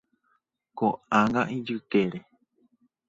Ko'ág̃a ijykére.